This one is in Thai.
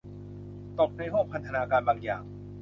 ตกในห้วงพันธนาการบางอย่าง